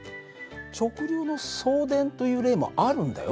直流の送電という例もあるんだよ。